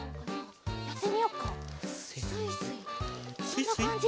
こんなかんじ？